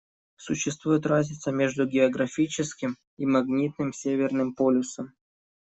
Существует разница между географическим и магнитным Северным полюсом.